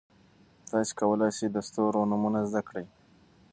تاسي کولای شئ د ستورو نومونه زده کړئ.